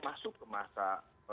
masuk ke masa